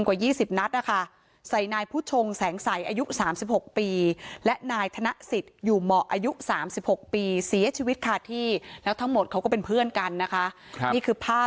อกว่า๒๐นับนะคะใส่นายผู้ชงแสงใส่อายุ๓๖ปีและนายธนศิษยุหม่ออายุ๓๖ปีเสียชีวิตคาที่แล้วทั้งหมดเขาก็เป็นเพื่อนกันนะคะ